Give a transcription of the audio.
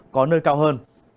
có nơi cao hơn